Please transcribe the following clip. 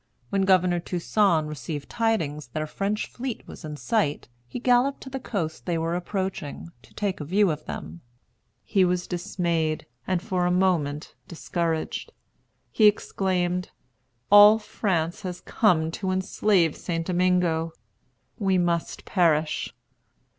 When Governor Toussaint received tidings that a French fleet was in sight, he galloped to the coast they were approaching, to take a view of them. He was dismayed, and for a moment discouraged. He exclaimed, "All France has come to enslave St. Domingo. We must perish."